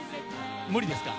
無理ですか？